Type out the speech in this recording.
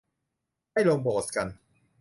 ไม่ลงโบสถ์กัน